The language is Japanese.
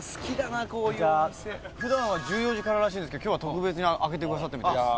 普段は１４時かららしいですけど今日は特別に開けてくださったみたいです。